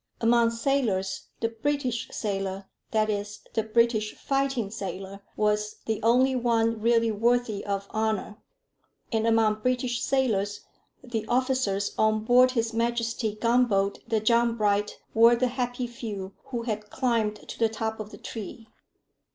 Among sailors the British sailor, that is, the British fighting sailor, was the only one really worthy of honour; and among British sailors the officers on board H.M. gunboat the John Bright were the happy few who had climbed to the top of the tree.